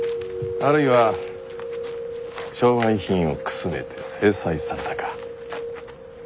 あるいは商売品をくすねて制裁されたか。